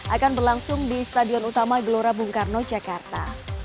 akan berlangsung di stadion utama gelora bung karno jakarta